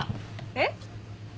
えっ？